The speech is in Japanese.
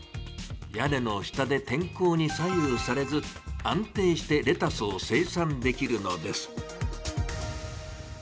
屋根の下で天候に左右されず安定してレタスを生産できるのです。